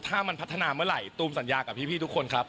ถ้ามันพัฒนาเมื่อไหร่ตูมสัญญากับพี่ทุกคนครับ